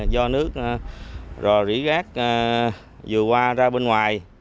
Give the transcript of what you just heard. do nước rò rỉ rác vừa qua ra bên ngoài